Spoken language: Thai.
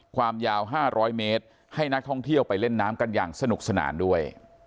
ความยาว๕๐๐เมตรให้นักท่องเที่ยวไปเล่นน้ำกันอย่างสนุกสนานด้วย